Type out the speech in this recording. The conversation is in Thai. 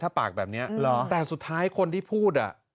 ถ้าปากแบบนี้เหรอแต่สุดท้ายคนที่พูดอ่ะ